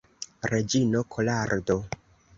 Reĝino Kolardo!